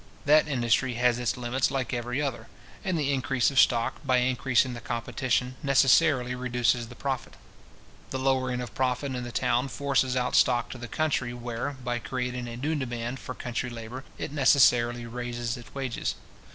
That industry has its limits like every other; and the increase of stock, by increasing the competition, necessarily reduces the profit. The lowering of profit in the town forces out stock to the country, where, by creating a new demand for country labour, it necessarily raises its wages.